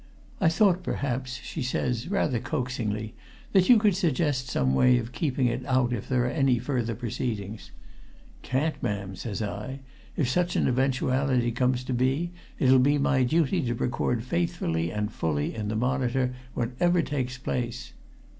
'I thought, perhaps,' she says, rather coaxingly, 'that you could suggest some way of keeping it out if there are any further proceedings.' 'Can't, ma'am!' says I. 'If such an eventuality comes to be, it'll be my duty to record faithfully and fully in the Monitor whatever takes place.'